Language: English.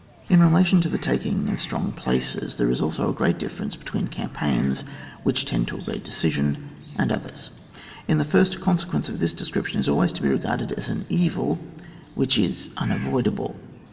In relation to the taking of strong places, there is also a great difference between campaigns which tend to a great decision and others. In the first, a conquest of this description is always to be regarded as an eVil which is un avoidable.